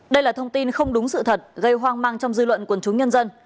đây là thông tin không đúng sự thật gây hoang mang trong dư luận quần chúng nhân dân